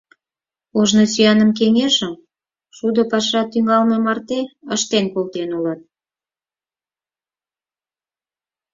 Ожно сӱаным кеҥежым, шудо паша тӱҥалме марте, ыштен колтен улыт.